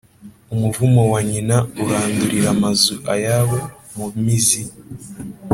umuvumo wa nyina urandurira amazu ayabo mu mizi